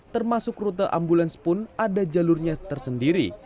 termasuk rute ambulans pun ada jalurnya tersendiri